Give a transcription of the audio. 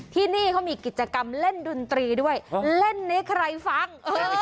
ที่นี่เขามีกิจกรรมเล่นดนตรีด้วยเล่นให้ใครฟัง